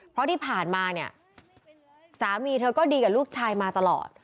เพราะที่ผ่านมาเนี่ยสามีเธอก็ดีกับลูกชายมาตลอด